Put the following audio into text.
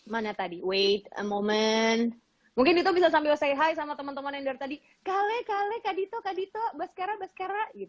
mana tadi wait a moment mungkin dito bisa sambil say hi sama teman teman yang dari tadi kale kale kak dito kak dito bas kera bas kera gitu